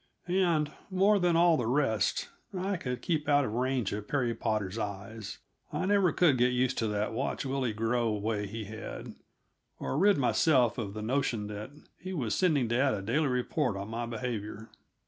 And, more than all the rest, I could keep out of range of Perry Potter's eyes. I never could get used to that watch Willie grow way he had, or rid myself of the notion that he was sending dad a daily report of my behavior.